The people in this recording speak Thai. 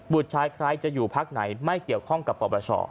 ชายใครจะอยู่พักไหนไม่เกี่ยวข้องกับปปช